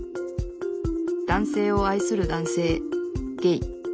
男性を愛する男性ゲイ。